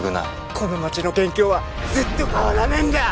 この町の元凶はずっと変わらねえんだよ！